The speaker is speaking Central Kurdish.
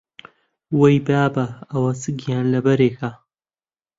وەی بابە، ئەوە چ گیانلەبەرێکە!